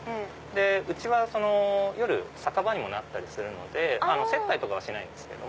うちは夜酒場にもなるので接待とかはしないんですけど。